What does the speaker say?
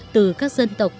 từ các dân tộc